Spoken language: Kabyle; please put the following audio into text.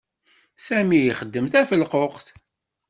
Sami ixdem tafelquqt.